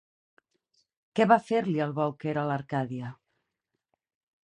Què va fer-li al bou que era a l'Arcàdia?